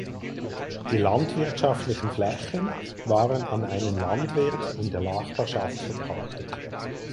Die landwirtschaftlichen Flächen waren an einen Landwirt in der Nachbarschaft verpachtet.